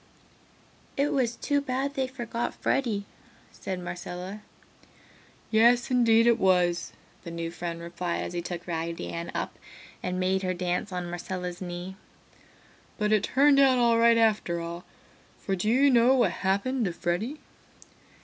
"It was too bad they forgot Freddy," said Marcella. "Yes, indeed it was!" the new friend replied as he took Raggedy Ann up and made her dance on Marcella's knee. "But it turned out all right after all, for do you know what happened to Freddy?"